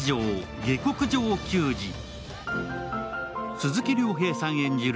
鈴木亮平さん演じる